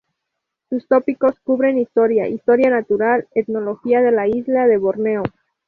Sus tópicos cubren Historia, Historia natural, Etnología de la isla de Borneo.